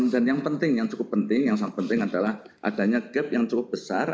dan yang penting yang cukup penting adalah adanya gap yang cukup besar